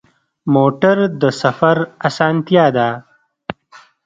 موټر د سفر اسانتیا ده.